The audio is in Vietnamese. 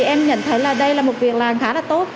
em nhận thấy là đây là một việc làm khá là tốt